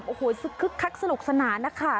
แบบโอ้โหสุขฆักสนุกสนานนะคะ